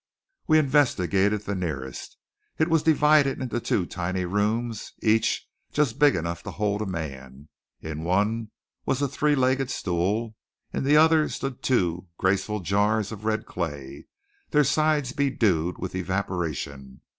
We investigated the nearest. It was divided into two tiny rooms each just big enough to hold a man. In one was a three legged stool; in the other stood two tall graceful jars of red clay, their sides bedewed with evaporation.